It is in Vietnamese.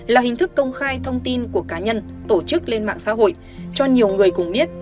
là hình thức công khai thông tin của cá nhân tổ chức lên mạng xã hội cho nhiều người cùng biết